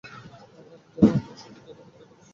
যারা আপনার সতীর্থকে হত্যা করেছে।